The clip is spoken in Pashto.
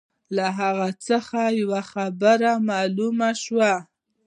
له هغه څخه یوه خبره معلومه شوه.